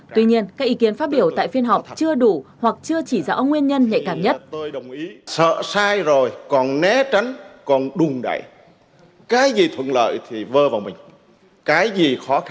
tuy nhiên các ý kiến phát biểu tại phiên họp chưa đủ hoặc chưa chỉ rõ nguyên nhân nhạy cảm nhất